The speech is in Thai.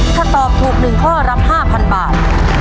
ถ้าตอบถูก๑ข้อรับ๕๐๐บาท